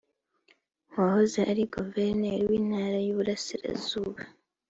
wahoze ari Guverineri w’intara y’uburasirazuba